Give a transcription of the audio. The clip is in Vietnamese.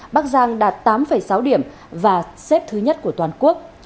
bắc giang đạt tám sáu điểm và xếp thứ nhất của toàn quốc